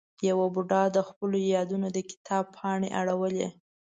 یوه بوډا د خپلو یادونو د کتاب پاڼې اړولې.